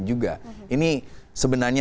juga ini sebenarnya